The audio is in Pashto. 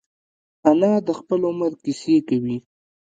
انا د خپل عمر کیسې کوي